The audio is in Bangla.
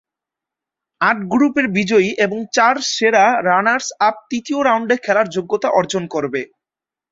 আট গ্রুপের বিজয়ী এবং চার সেরা রানার্স-আপ তৃতীয় রাউন্ডে খেলার যোগ্যতা অর্জন করবে।